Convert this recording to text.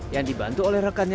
yang dibantu oleh rekannya